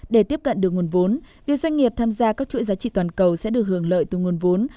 để tiếp cận được nguồn vốn việc doanh nghiệp tham gia các chuỗi giá trị toàn cầu sẽ được hưởng lợi từ nguồn vốn